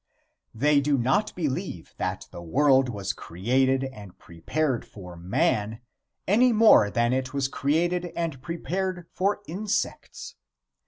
They do not believe that the world was created and prepared for man any more than it was created and prepared for insects.